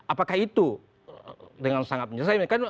apakah itu dengan sangat menyesal